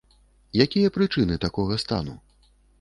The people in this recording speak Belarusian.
Якія прычыны такога стану?